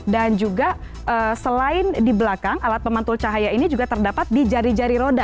dan juga selain di belakang alat pemantul cahaya ini juga terdapat di jari jari roda